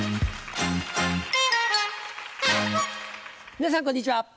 皆さんこんにちは。